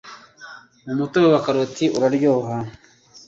umutobe wa karoti uraryoha